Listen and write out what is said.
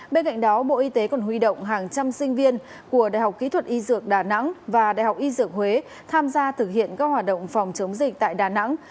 bên cạnh đó bộ y tế còn huy động hàng trăm sinh viên của đại học kỹ thuật y dược đà nẵng và đại học y dược huế tham gia thực hiện các hoạt động phòng chống dịch tại đà nẵng